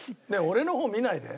俺の方見ないで。